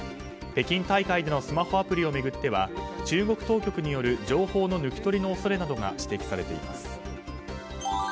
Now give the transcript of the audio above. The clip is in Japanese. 北京大会でのスマホアプリを巡っては、中国当局による情報の抜き取りの恐れなどが指摘されています。